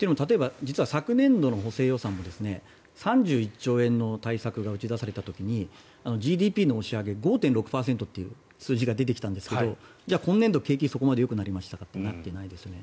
昨年度の補正予算も３１兆円の対策が打ち出された時にＧＤＰの押し上げ５．６％という数字が出てきたんですがじゃあ今年度景気がそこまでよくなりましたかっていうとなってないですよね。